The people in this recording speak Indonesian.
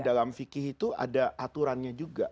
jadi dalam fikih itu ada aturannya juga